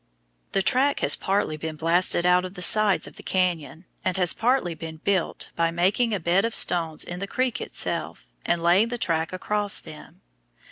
The track has partly been blasted out of the sides of the canyon, and has partly been "built" by making a bed of stones in the creek itself, and laying the track across them.